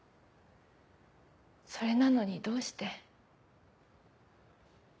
それなのにどうして。